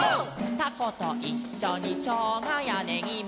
「たこといっしょにしょうがやねぎも」